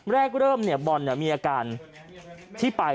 แรกเริ่มบอลมีอาการที่ไป